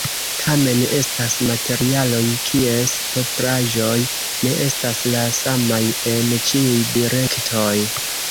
Tamen, estas materialoj kies propraĵoj ne estas la samaj en ĉiuj direktoj.